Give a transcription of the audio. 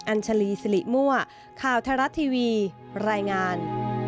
อัญชลีศรีมั่วข่าวทรัฐทีวีรายงาน